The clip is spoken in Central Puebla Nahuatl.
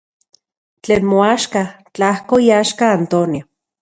Tlen moaxka, tlajko iaxka Antonio.